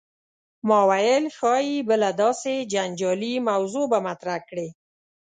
ما ویل ښايي بله داسې جنجالي موضوع به مطرح کړې.